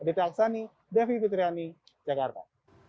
aditya aksani devi pitriani jakarta